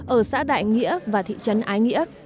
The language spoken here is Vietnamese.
ở xã đại nghĩa và thị trấn ái nghĩa